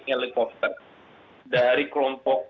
helikopter dari kelompok